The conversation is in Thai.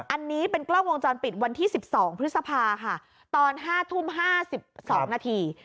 อันนี้เป็นกล้องวงจรปิดวันที่สิบสองพฤษภาค่ะตอนห้าทุ่มห้าสิบสองนาที